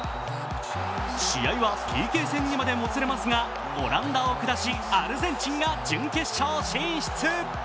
試合はＰＫ戦にまでもつれますがオランダを下しアルゼンチンが準決勝進出。